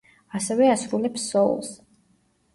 ასევე ასრულებს სოულს.